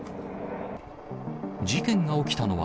事件が起きたのは、